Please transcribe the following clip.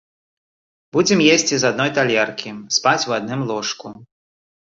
Будзем есці з адной талеркі, спаць у адным ложку.